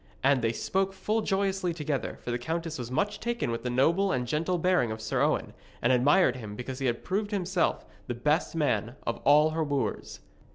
And they spoke full joyously together, for the countess was much taken with the noble and gentle bearing of Sir Owen, and admired him because he had proved himself the best man of all her wooers.